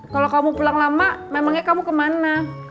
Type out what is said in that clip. kalau kamu pulang lama memangnya kamu kemana